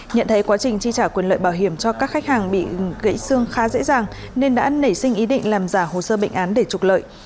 nhận thấy quá trình chi trả quyền lợi bảo hiểm cho các khách hàng bị gãy xương khá dễ dàng nên đã nảy sinh ý định làm giả hồ sơ bệnh án để trục lợi